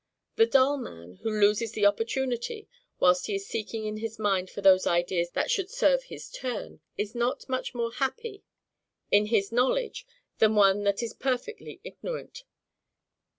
The dull man, who loses the opportunity, whilst he is seeking in his mind for those ideas that should serve his turn, is not much more happy in his knowledge than one that is perfectly ignorant.